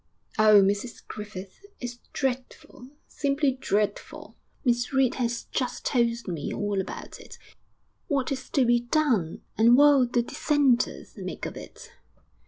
'Oh, Mrs Griffith, it's dreadful! simply dreadful! Miss Reed has just told me all about it. What is to be done? And what'll the dissenters make of it?